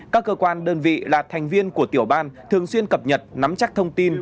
các cơ quan đơn vị là thành viên của tiểu ban thường xuyên cập nhật nắm chắc thông tin